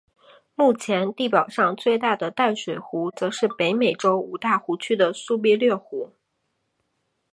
目前地表上最大的淡水湖则是北美洲五大湖区的苏必略湖。